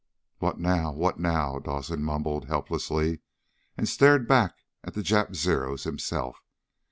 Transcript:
"What now, what now?" Dawson mumbled helplessly, and stared back at the Jap Zeros himself.